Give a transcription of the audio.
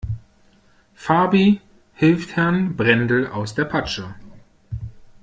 Fabi hilft Herrn Brendel aus der Patsche.